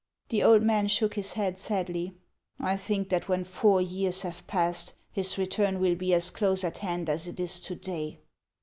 The old man shook his head sadly. " I think that when four years have passed, his return will be as close at hand as it is to day."